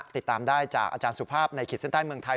ติดตามได้จากอาจารย์สุภาพในขีดเส้นใต้เมืองไทย